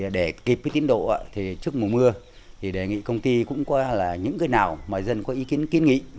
để kịp tiến độ trước mùa mưa đề nghị công ty cũng có những người nào mà dân có ý kiến kiến nghị